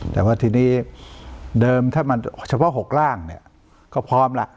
แต่ว่าทีนี้เดิมถ้ามันเฉพาะ๖ร่างเนี่ยก็พร้อมล่ะ